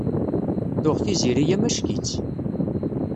Tuɣ Tiziri amack-itt.